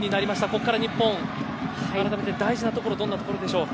ここから日本、改めて大事なところはどこでしょう。